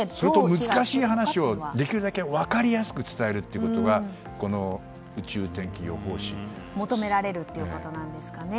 難しい話をできるだけ分かりやすく伝えるということが宇宙天気予報士には。求められるということなんですかね。